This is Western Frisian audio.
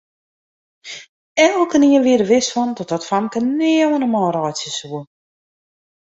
Elkenien wie der wis fan dat dat famke nea oan 'e man reitsje soe.